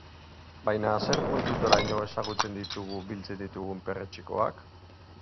Baina zer punturaino ezagutzen ditugu biltzen ditugun perretxikoak?